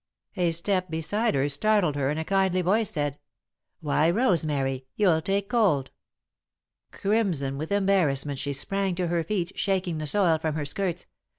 A step beside her startled her and a kindly voice said: "Why, Rosemary! You'll take cold!" Crimson with embarrassment she sprang to her feet, shaking the soil from her skirts.